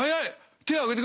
手挙げてた。